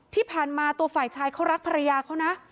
ที่ผ่านมาตัวฝ่ายชายเขารักภรรยาเขานะ